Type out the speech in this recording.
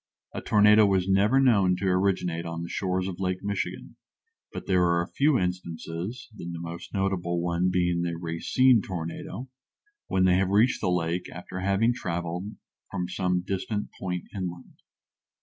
A tornado was never known to originate on the shores of Lake Michigan, but there are a few instances (the most notable one being the Racine tornado) when they have reached the lake after having traveled from some distant point inland.